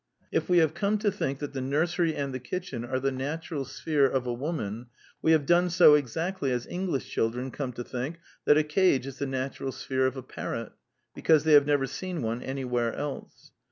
If we have come to think that the nursery and the kitchen are the natural sphere of a woman, we have done so exactly as English children come to think that a cage is the natural sphere of a parrot : because they have never seen one anywhere else.